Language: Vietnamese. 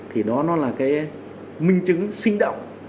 thì đó là cái minh chứng sinh động